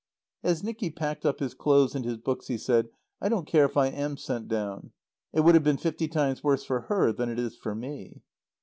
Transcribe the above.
As Nicky packed up his clothes and his books he said, "I don't care if I am sent down. It would have been fifty times worse for her than it is for me."